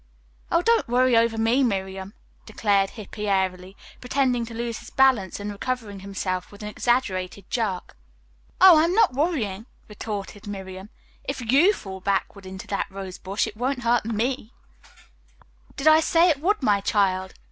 "Don't worry over me, Miriam," declared Hippy airily, pretending to lose his balance and recovering himself with an exaggerated jerk. "Oh, I am not worrying," retorted Miriam. "If you fall backward into that rose bush it won't hurt me." "Did I say it would, my child?"